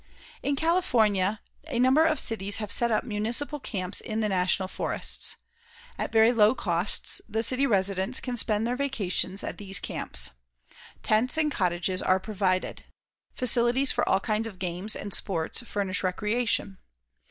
In California a number of cities have set up municipal camps in the National Forests. At very low costs, the city residents can spend their vacations at these camps. Tents and cottages are provided. Facilities for all kinds of games and sports furnish recreation.